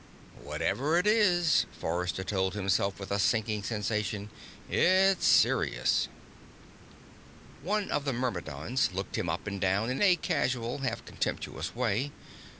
Whatever it is, Forrester told himself with a sinking sensation, it's serious. One of the Myrmidons looked him up and down in a casual, half contemptuous way.